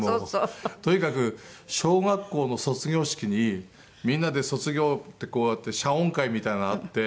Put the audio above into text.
とにかく小学校の卒業式にみんなで卒業ってこうやって謝恩会みたいのあって。